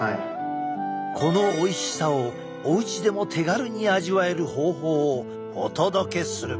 このおいしさをおうちでも手軽に味わえる方法をお届けする！